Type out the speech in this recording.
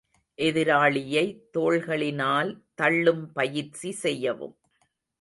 எதிராளியை தோள்களினால் தள்ளும் பயிற்சி செய்யவும்.